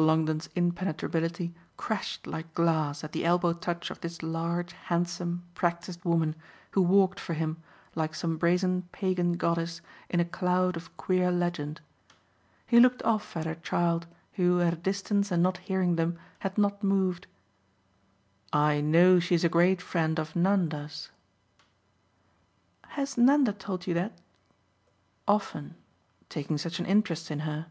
Longdon's impenetrability crashed like glass at the elbow touch of this large handsome practised woman, who walked for him, like some brazen pagan goddess, in a cloud of queer legend. He looked off at her child, who, at a distance and not hearing them, had not moved. "I know she's a great friend of Nanda's." "Has Nanda told you that?" "Often taking such an interest in her."